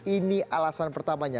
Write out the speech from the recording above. ini alasan pertamanya